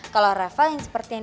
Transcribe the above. kalo reva yang seperti yang